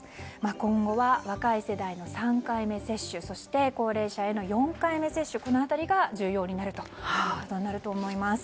今後は若い世代の３回目接種そして高齢者への４回目接種この辺りが重要になるかと思います。